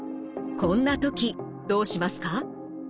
こんな時どうしますか？